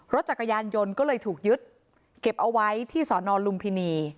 รถจักรยานยนต์ก็เลยถูกยึดเก็บเอาไว้ที่สอนอลุมพินี